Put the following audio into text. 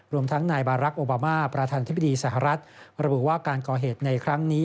รวมทั้งนายบารักษ์โอบามาประธานธิบดีสหรัฐระบุว่าการก่อเหตุในครั้งนี้